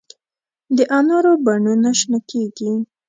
د انارو بڼونه شنه کیږي